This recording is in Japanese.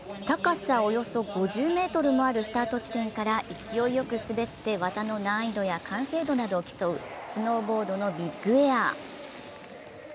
高さおよそ５０ｍもあるスタート地点から勢いよく滑って技の難易度や完成度などを競うスノーボードのビッグエア。